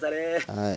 はい。